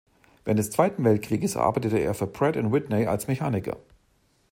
Während des Zweiten Weltkrieges arbeitete er für Pratt and Whitney als Mechaniker.